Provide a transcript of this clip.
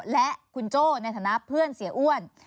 และคุณโจ้ในฐานะเพื่อนเสียอ้วน